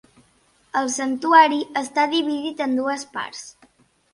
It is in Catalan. El santuari està dividit en dues parts.